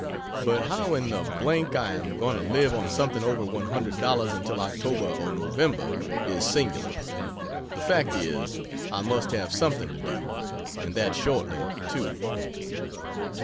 But how in the h l I am going to live on something over $100 until October or November, is singular. The fact is, I must have something to do, and that shortly, too.....